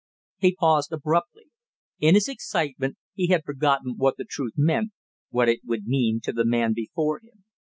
He paused abruptly. In his excitement he had forgotten what the truth meant, what it would mean to the man before him.